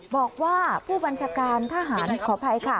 บอกว่าผู้บัญชาการทหารขออภัยค่ะ